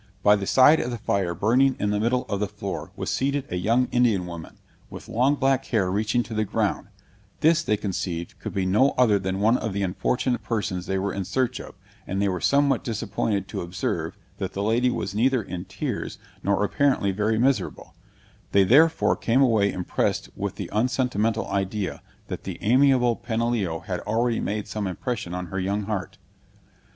By the side of the fire burning in the middle of the floor, was seated a young Indian woman, with long black hair reaching to the ground; this, they conceived, could be no other than one of the unfortunate persons they were in search of; and they were somewhat disappointed to observe, that the lady was neither in tears, nor apparently very miserable; they therefore came away impressed with the unsentimental idea, that the amiable Peneleo had already made some impression on her young heart.